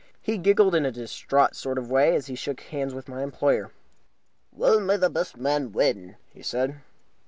He giggled in a distraught sort of way as he shook hands with my employer. "Well, may the best man win," he said.